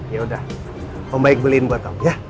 yaudah om baik beliin buat kamu ya